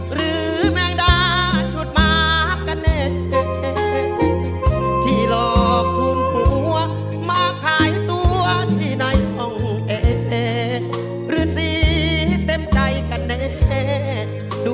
หรือแม่งดาชุดมากกะเหน็ด